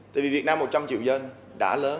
tại vì việt nam một trăm linh triệu dân đã lớn